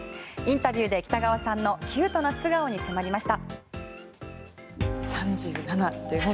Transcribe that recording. インタビューで北川さんのキュートな素顔に迫りました。